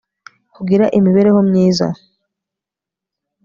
kugira imibereho myiza